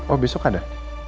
oh besok ada